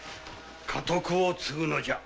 家督を継ぐのじゃ。